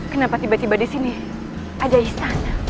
kenapa tiba tiba di sini ada istana